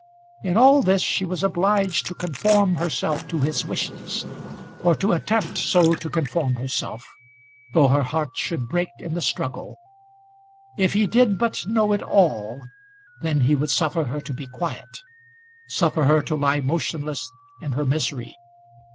In all this she was obliged to conform herself to his wishes, or to attempt so to conform herself, though her heart should break in the struggle. If he did but know it all, then he would suffer her to be quiet, suffer her to lie motionless in her misery!